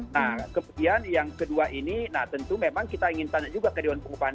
nah kemudian yang kedua ini nah tentu memang kita ingin tanya juga ke dewan pengupahan